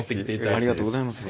ありがとうございます。